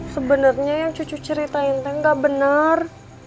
sebenernya yang cucu ceritain teh gak benar